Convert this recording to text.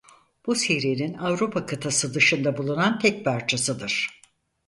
Bu serinin Avrupa kıtası dışında bulunan tek parçasıdır.